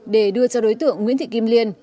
để đưa cho đối tượng nguyễn thị kim liên